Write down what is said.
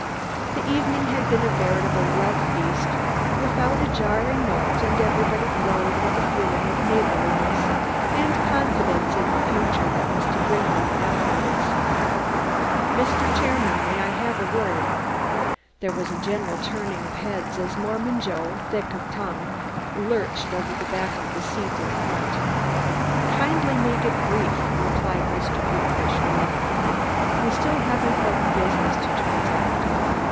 The evening had been a veritable love feast without a jarring note and everybody glowed with a feeling of neighborliness and confidence in a future that was to bring them affluence. "Mr. Chairman, may I have a word?" There was a general turning of heads as Mormon Joe, thick of tongue, lurched over the back of the seat in front. "Kindly make it brief," replied Mr. Butefish reluctantly. "We still have important business to transact."